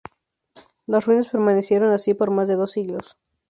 Las ruinas permanecieron así por más de dos siglos.